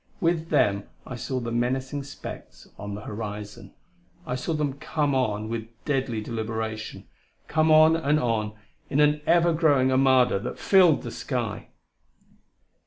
With them I saw the menacing specks on the horizon; I saw them come on with deadly deliberation come on and on in an ever growing armada that filled the sky.